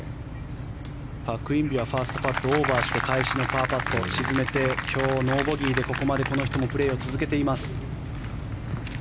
パク・インビはファーストパット、オーバーして返しのパーパットを沈めて今日ノーボギーでここまでプレーを続けています。